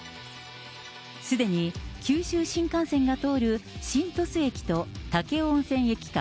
すでに九州新幹線が通る新鳥栖駅と武雄温泉駅間